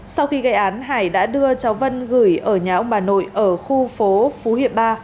sau khi gây án hải đã đưa cháu vân gửi ở nhà ông bà nội ở khu phố phú hiệp ba